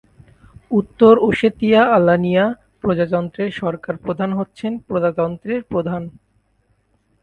উত্তর ওশেতিয়া-আলানিয়া প্রজাতন্ত্রের সরকার প্রধান হচ্ছেন প্রজাতন্ত্রের প্রধান।